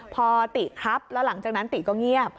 พอติครับแล้วหลังจากนั้นติก็เงียบ